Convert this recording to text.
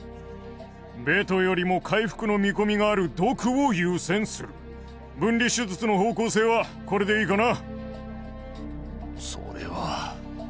ベトよりも回復の見込みがあるドクを優先する分離手術の方向性はこれでいいかな？